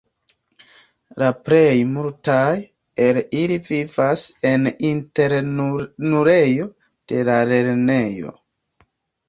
La plej multaj el ili vivas en internulejo de la lernejo.